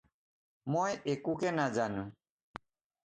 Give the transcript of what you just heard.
মই একোকে নাজানো।